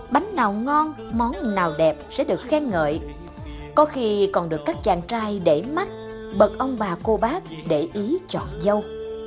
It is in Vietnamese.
bánh nào ngon món nào đẹp sẽ được khen ngợi có khi còn được các chàng trai để mắt bật ông bà cô bác để ý chọn dâu